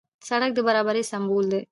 سړک د برابرۍ سمبول دی.